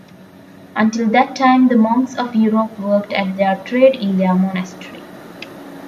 Until that time the monks of Europe worked at their trade in their monastery.